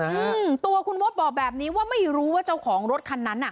ซึ่งตัวคุณมดบอกแบบนี้ว่าไม่รู้ว่าเจ้าของรถคันนั้นอ่ะ